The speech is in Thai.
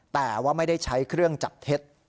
แต่ว่าไม่ได้ใช้เครื่องจับเท็จ